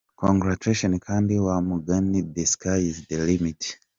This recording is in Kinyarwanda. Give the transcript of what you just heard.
Congratulations kandi wamugani the sky is the limit.